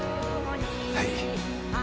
はい。